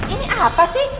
ini apa sih